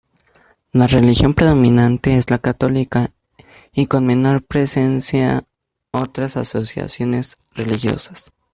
La religión predominante es la católica y con menor presencia otras asociaciones religiosas.